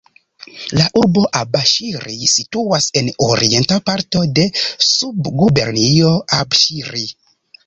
La urbo Abaŝiri situas en orienta parto de Subgubernio Abaŝiri.